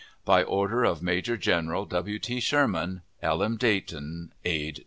By order of Major General W. T. Sherman, L. M. DAYTON, Aide de Camp.